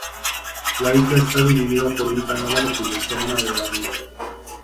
La isla está dividida por un canal artificial navegable.